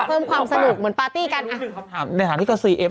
ปุ๊บปุ๊บปุ๊บปุ๊บปุ๊บ